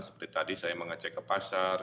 seperti tadi saya mengecek ke pasar